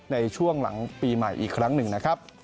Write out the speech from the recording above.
ในช่วงหลังปีใหม่อีกครั้งหนึ่งนะครับ